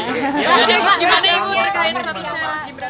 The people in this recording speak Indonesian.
pak gimana ibu terkait statusnya mas gibran